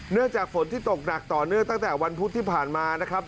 จากฝนที่ตกหนักต่อเนื่องตั้งแต่วันพุธที่ผ่านมานะครับ